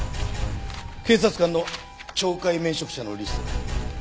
警察官の懲戒免職者のリストだ。